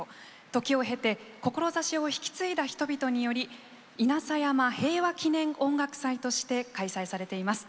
時を経て志を引き継いだ人々により稲佐山平和祈念音楽祭として開催されています。